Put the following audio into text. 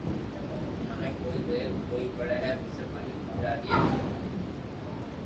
مني ڪوئي زبر ڪوئي پري پسي مالڪ ھمجاوئي